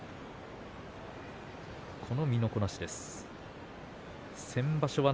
この身のこなしです。